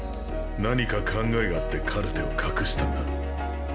何か考えがあってカルテを隠したんだ。